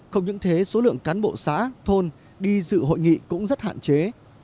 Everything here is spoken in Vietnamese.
không những thế số lượng cán bộ xã thôn đi dự hội nghị cũng rất hạn chế